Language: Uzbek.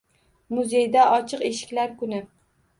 Muzeyda Ochiq eshiklar kuni